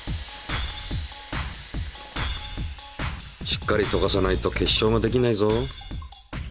しっかりとかさないと結晶ができないぞ。